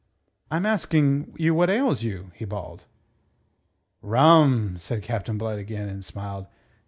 "I'm asking you what ails you?" he bawled. "Rum," said Captain Blood again, and smiled.